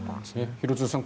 廣津留さん